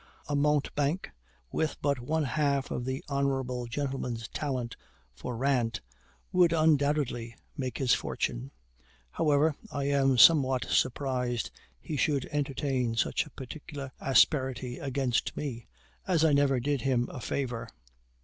A mountebank, with but one half of the honorable gentleman's talent for rant, would undoubtedly make his fortune. However, I am somewhat surprised he should entertain such a particular asperity against me, as I never did him a favor.